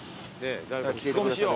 聞き込みしよう。